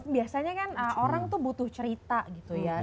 biasanya kan orang tuh butuh cerita gitu ya